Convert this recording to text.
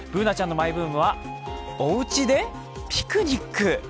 Ｂｏｏｎａちゃんのマイブームはおうちでピクニック？